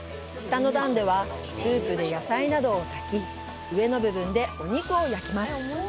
下の段ではスープで野菜などを炊き、上の部分でお肉を焼きます。